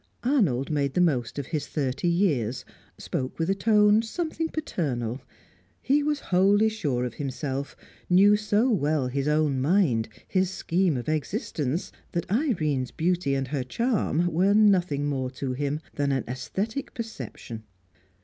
Arnold made the most of his thirty years, spoke with a tone something paternal. He was wholly sure of himself, knew so well his own mind, his scheme of existence, that Irene's beauty and her charm were nothing more to him than an aesthetic perception.